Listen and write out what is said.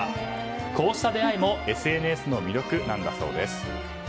こうした出会いもＳＮＳの魅力なんだそうです。